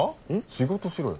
仕事しろよ。